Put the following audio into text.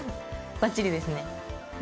ばっちりですね。